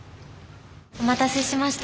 お待たせしました。